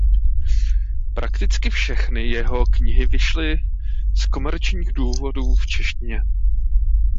Prakticky všechny jeho knihy vyšly z komerčních důvodů v češtině.